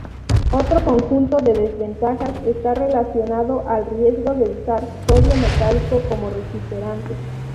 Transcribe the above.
Otro conjunto de desventajas está relacionado al riesgo de usar sodio metálico como refrigerante.